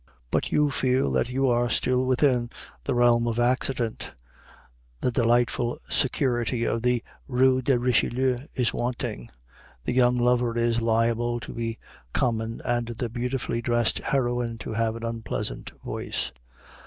But you feel that you are still within the realm of accident; the delightful security of the Rue de Richelieu is wanting. The young lover is liable to be common and the beautifully dressed heroine to have an unpleasant voice.